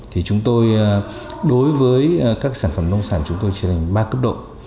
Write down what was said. thì chúng tôi đối với các sản phẩm nông sản chúng tôi chia thành ba cấp độ